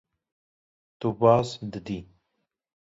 Tu baz didî.